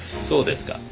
そうですか。